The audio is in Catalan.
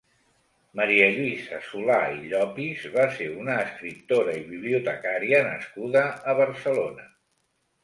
Maria Lluïsa Solà i Llopis va ser una escriptora i bibliotecària nascuda a Barcelona.